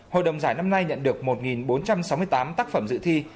hội đồng giải năm nay nhận được một bốn trăm sáu mươi tám tác phẩm dự thi